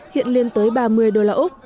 hiện liên tới ba mươi đô la úc